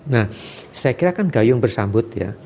nah saya kira kan gayung bersambut ya